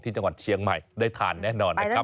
จังหวัดเชียงใหม่ได้ทานแน่นอนนะครับ